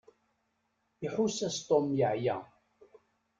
Iḥuss-as Tom yeɛya.